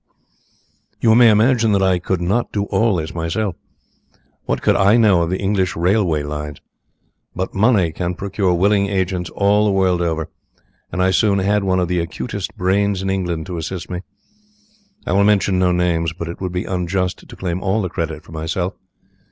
"You may imagine that I could not do all this myself. What could I know of the English railway lines? But money can procure willing agents all the world over, and I soon had one of the acutest brains in England to assist me. I will mention no names, but it would be unjust to claim all the credit for myself.